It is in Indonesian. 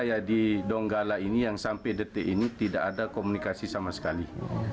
saya di donggala ini yang sampai detik ini tidak ada komunikasi sama sekali